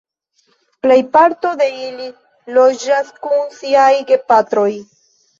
Plejparto de ili loĝas kun siaj gepatroj.